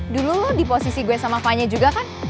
dulu lo di posisi gue sama fanya juga kan